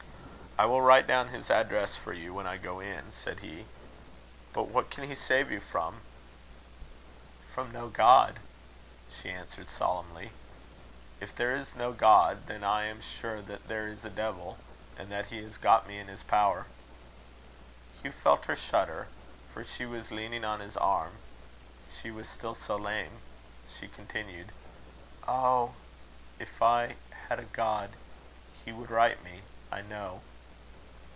"I will write down his address for you, when I go in," said he. "But what can he save you from?" "From no God," she answered, solemnly. "If there is no God, then I am sure that there is a devil, and that he has got me in his power." Hugh felt her shudder, for she was leaning on his arm, she was still so lame. She continued: "Oh! if I had a God, he would right me, I know."